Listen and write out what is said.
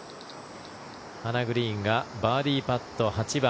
ハナ・グリーンがバーディーパット、８番。